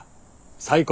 最高。